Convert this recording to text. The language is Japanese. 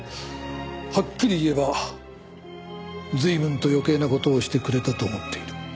はっきり言えば随分と余計な事をしてくれたと思っている。